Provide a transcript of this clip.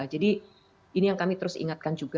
jadi ini yang kami terus ingatkan